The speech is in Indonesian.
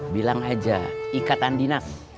bilang aja ikatan dinas